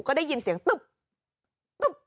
ก็ได้ยินเสียงตุ๊บตุ๊บ